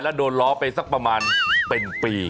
แล้วโดนล้อไปสักประมาณเป็นปี